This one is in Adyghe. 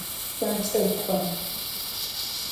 Занкӏэу кӏо!